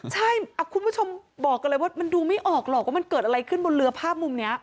ใช่คุณผู้ชมบอกกันเลยว่ามันดูไม่ออกหรอกว่ามันเกิดอะไรขึ้นบนเรือภาพมุมนี้